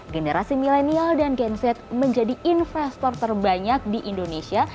generasi milenial dan gen z menjadi investor terbanyak di indonesia